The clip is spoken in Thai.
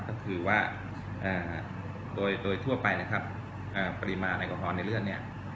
ก็คือว่าโดยทั่วไปนะครับปริมาณแอลกอฮอลในเลือดเนี่ย